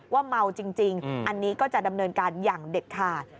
ว่าเมาจริงอันนี้ก็จะดำเนินการอย่างเด็ดขาด